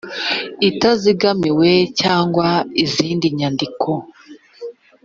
itazigamiwe cyangwa izindi nyandiko